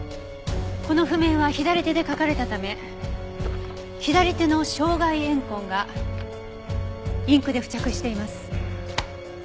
この譜面は左手で書かれたため左手の掌外沿痕がインクで付着しています。